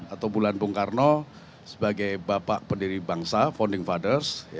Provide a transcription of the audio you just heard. atau bulan bung karno sebagai bapak pendiri bangsa founding fathers